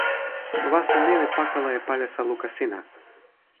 waso ni li pakala e palisa luka sina.